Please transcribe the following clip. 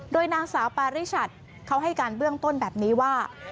โดยนางสาวปาริชัดเขาให้การเบื้องต้นแบบนี้ว่า